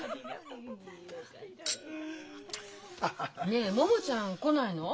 ねえ桃ちゃん来ないの？